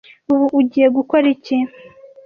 Ubu ugiye gukora iki?